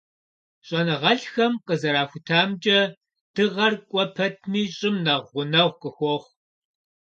ЩӀэныгъэлӀхэм къызэрахутамкӀэ, Дыгъэр кӀуэ пэтми, ЩӀым нэхъ гъунэгъу къыхуохъу.